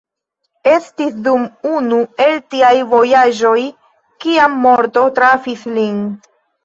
Estis dum unu el tiaj vojaĝoj kiam morto trafis lin.